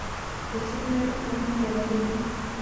پسه نر او ماده لري.